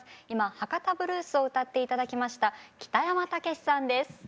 今「博多ぶるーす」を歌って頂きました北山たけしさんです。